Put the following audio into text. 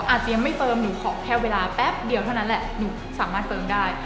เตรียมไม่เฟิร์มหนูขอแค่เวลาแป๊บเดียวเท่านั้นแหละหนูสามารถเฟิร์มได้